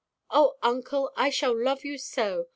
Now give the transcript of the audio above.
"Oh, uncle, I shall love you so!